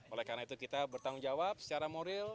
oleh karena itu kita bertanggung jawab secara moral